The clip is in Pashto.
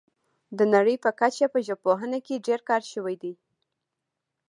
د نړۍ په کچه په ژبپوهنه کې ډیر کار شوی دی